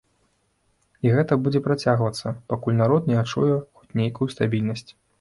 І гэта будзе працягвацца, пакуль народ не адчуе хоць нейкую стабільнасць.